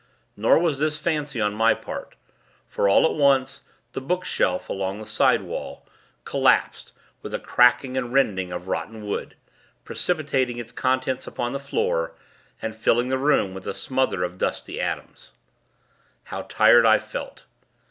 Nor was this fancy, on my part; for, all at once, the bookshelf, along the sidewall, collapsed, with a cracking and rending of rotten wood, precipitating its contents upon the floor, and filling the room with a smother of dusty atoms. How tired I felt.